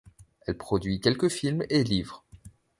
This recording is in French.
Elle produit quelques films et livres.